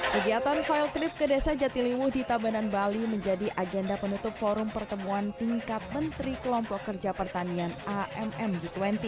kegiatan file trip ke desa jatiliwung di tabanan bali menjadi agenda penutup forum pertemuan tingkat menteri kelompok kerja pertanian amm g dua puluh